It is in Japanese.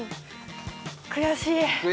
悔しい。